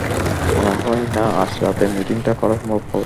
মনে হয় না আজ রাতে মিটিংটা করা সম্ভব হবে!